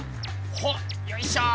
ほっよいしょ。